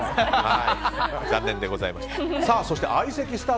残念でございました。